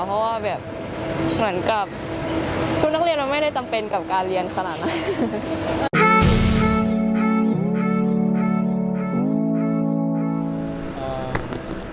เพราะว่าแบบเหมือนกับชุดนักเรียนมันไม่ได้จำเป็นกับการเรียนขนาดนั้น